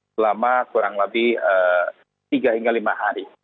selama kurang lebih tiga hingga lima hari